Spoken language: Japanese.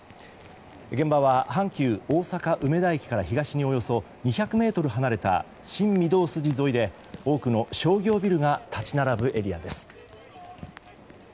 現場は阪急大阪梅田駅から東におよそ２００ｍ離れた新御堂筋沿いで多くの商業ビルが立ち並ぶエリアです。